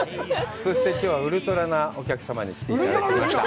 そして、きょうはウルトラなお客様に来てくださいました。